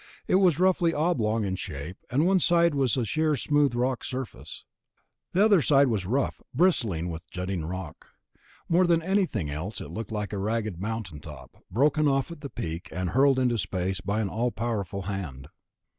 It was roughly oblong in shape, and one side was sheer smooth rock surface. The other side was rough, bristling with jutting rock. More than anything else it looked like a ragged mountain top, broken off at the peak and hurled into space by an all powerful hand.